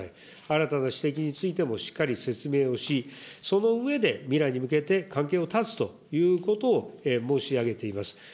新たな指摘についても、しっかり説明をし、その上で未来に向けて関係を断つということを申し上げています。